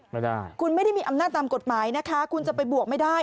ไม่ได้คุณไม่ได้มีอำนาจตามกฎหมายนะคะคุณจะไปบวกไม่ได้